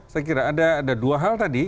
saya kira ada dua hal tadi